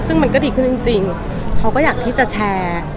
ซึ่งมันก็ดีขึ้นจริงเขาก็อยากที่จะแชร์